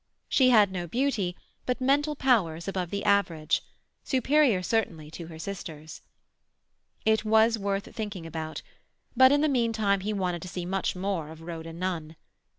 She had no beauty, but mental powers above the average—superior, certainly, to her sister's. It was worth thinking about, but in the meantime he wanted to see much more of Rhoda Nunn.